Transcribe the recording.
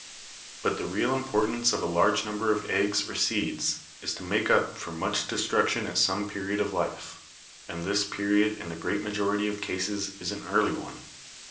"But the real importance of a large number of eggs or seeds is to make up for much destruction at some period of life; and this period in the great majority of cases is an early one.